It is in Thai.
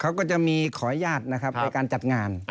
เขาก็จะมีขอยาธิในการจัดงาน